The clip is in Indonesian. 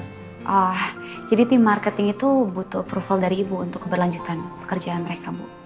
nah jadi tim marketing itu butuh approval dari ibu untuk keberlanjutan pekerjaan mereka bu